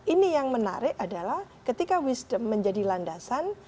ini yang menarik adalah ketika wisdom menjadi landasan